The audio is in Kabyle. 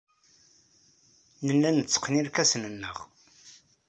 Nella netteqqen irkasen-nneɣ.